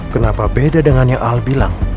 kenapa beda dengan yang al bilang